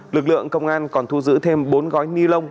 lực lượng công an còn thu giữ thêm bốn gói ni lông